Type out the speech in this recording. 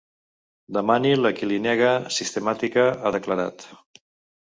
Demani’l a qui li nega sistemàtica, ha declarat.